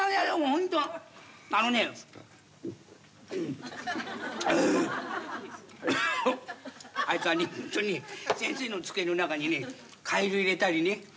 ホントに先生の机の中にねカエル入れたりね。